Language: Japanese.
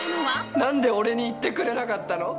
何で俺に言ってくれなかったの？